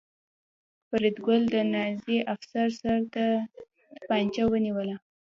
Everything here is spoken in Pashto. فریدګل د نازي افسر سر ته توپانچه ونیوله